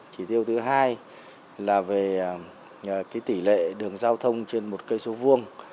chỉ tiêu thứ hai là về tỷ lệ đường giao thông trên một cây số vuông